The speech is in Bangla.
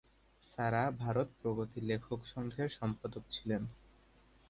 সারা ভারত প্রগতি লেখক সংঘের সম্পাদক ছিলেন।